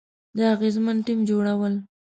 د اغیزمن ټیم جوړول،